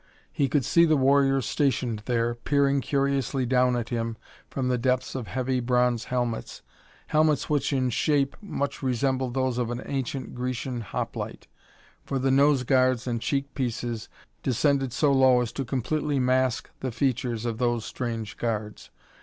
He could see the warriors stationed there, peering curiously down at him from the depths of heavy, bronze helmets helmets which in shape much resembled those of an ancient Grecian hoplite, for the nose guards and cheek pieces descended so low as to completely mask the features of those strange guards.